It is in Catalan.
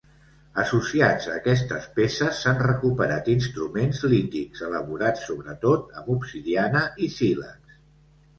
Associats a aquestes peces s'han recuperat instruments lítics, elaborats sobretot amb obsidiana i sílex.